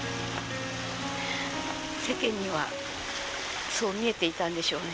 世間にはそう見えていたんでしょうね。